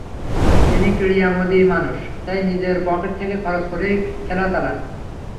তিনি ক্রীড়ামোদী মানুষ, তাই নিজের পকেট থেকে খরচ করেই খেলা চালান।